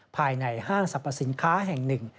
ภายในห้างสรรพสินค้าแห่งหนึ่ง